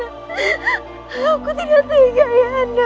aku tidak ingin ya kanda